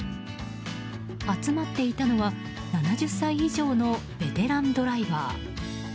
集まっていたのは７０歳以上のベテランドライバー。